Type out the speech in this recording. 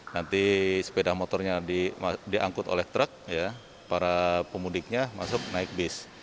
nanti sepeda motornya diangkut oleh truk para pemudiknya masuk naik bis